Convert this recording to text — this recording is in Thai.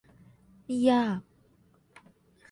นี่ยาก